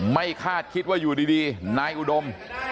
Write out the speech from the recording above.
คาดคิดว่าอยู่ดีนายอุดม